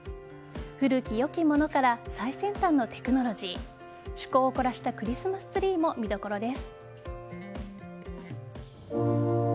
古き良きものから最先端のテクノロジー趣向を凝らしたクリスマスツリーも見どころです。